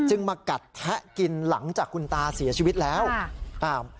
มากัดแทะกินหลังจากคุณตาเสียชีวิตแล้วค่ะอ่า